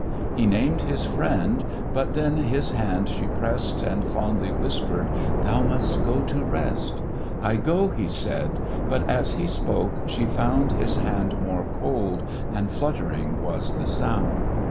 He named his Friend, but then his hand she press'd, And fondly whisper'd, "Thou must go to rest;" "I go," he said: but as he spoke, she found His hand more cold, and fluttering was the sound!